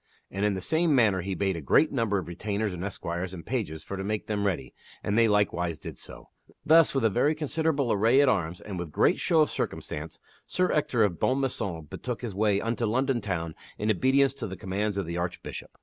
And in the same manner he bade a great number of retainers and esquires and pages for to make them ready, and they likewise did so. Thus, with a very considerable array at arms and with great show of circumstance, Sir Ector of Bonmaison betook his way unto London Town in obedience to the commands of the Archbishop.